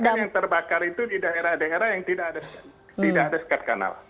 yang terbakar itu di daerah daerah yang tidak ada skat kanal